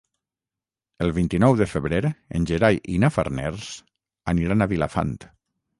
El vint-i-nou de febrer en Gerai i na Farners aniran a Vilafant.